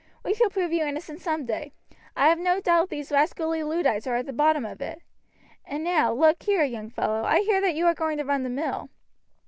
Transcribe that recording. We shall prove you innocent some day. I have no doubt these rascally Luddites are at the bottom of it. And now, look here, young fellow, I hear that you are going to run the mill.